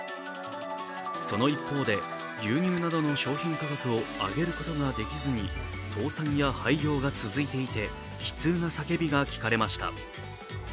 その一方で、牛乳などの商品価格を上げることができずに倒産や廃業が続いていて、悲痛な叫びが聞かれました。